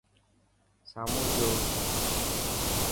سامون جو